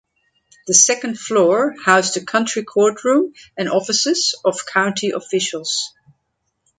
The second floor housed the country courtroom and offices of county officials.